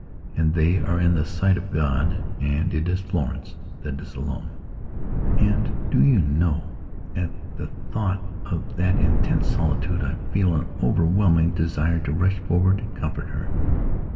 And they are in the sight of God, and it is Florence that is alone.... And, do you know, at the thought of that intense solitude I feel an overwhelming desire to rush forward and comfort her.